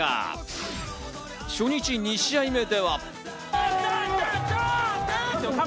初日、２試合目では。